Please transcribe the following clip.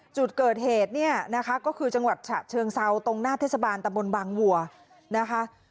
จุดเกิดเหตุเนี่ยนะคะก็คือจังหวัดฉะเชิงเซาตรงหน้าเทศบาลตะบนบางวัวนะคะ